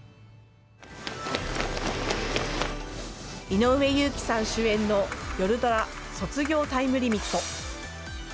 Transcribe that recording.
井上祐貴さん主演のよるドラ「卒業タイムリミット」。